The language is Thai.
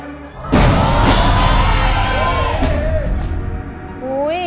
ผิดครับ